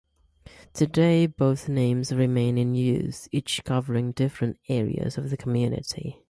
Today, both names remain is use, each covering different areas of the community.